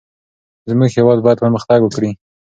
زمونږ هیواد باید پرمختګ وکړي.